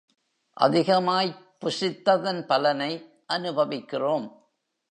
அதிகமாய்ப் புசித்ததன் பலனை அனுபவிக்கிறோம்.